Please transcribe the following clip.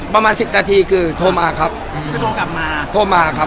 ประมาณ๑๐นาทีคือโทรมาครับ